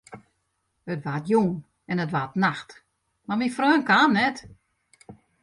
It waard jûn en it waard nacht, mar myn freon kaam net.